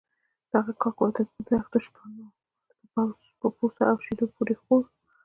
دغه کاک به د دښتو شپنو په پوڅه او شيدو پورې خوړ.